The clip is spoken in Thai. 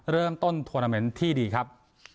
เริ่มต้นทวอร์แมนที่ดีครับ